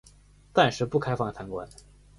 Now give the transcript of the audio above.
暂时不开放参观